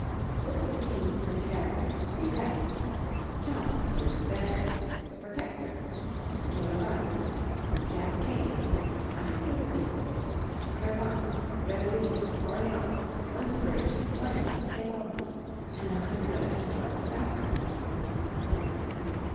Look at the scenes and characters to be dressed: John, Duke of Bedford, the Protector, Joan of Arc, Jack Cade, a hundred other people; Crevant, Verneuil, Orleans, London Bridge, Ludlow, St. Albans, and a hundred other historical backgrounds.